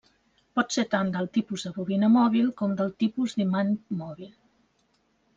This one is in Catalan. Pot ser tant del tipus de bobina mòbil com del tipus d'imant mòbil.